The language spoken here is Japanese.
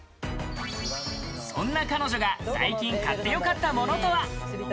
そんな彼女が最近買ってよかったものとは？